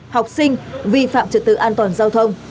học sinh vi phạm trật tự an toàn giao thông